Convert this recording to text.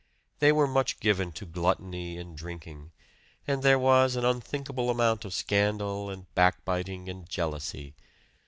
They were much given to gluttony and drinking; and there was an unthinkable amount of scandal and backbiting and jealousy.